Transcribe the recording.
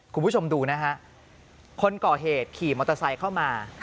คุณผู้ชมดูนะฮะคนก่อเหตุขี่มอเตอร์ไซค์เข้ามา